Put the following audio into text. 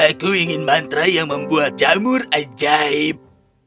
aku ingin mantra yang membuat jamur ajaib